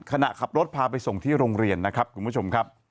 ขณะขับรถพาไปส่งที่โรงเรียนนะครับคุณผู้ชมครับ